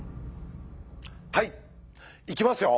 はいいきますよ！